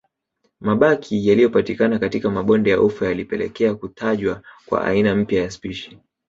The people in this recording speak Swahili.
Mabaki yaliyopatikana katika mabonde ya ufa yalipelekea kutajwa kwa aina mpya ya spishi